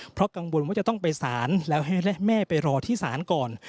เพราะกังวลว่าจะต้องไปสารแล้วให้และแม่ไปรอที่ศาลก่อน